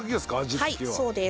はいそうです。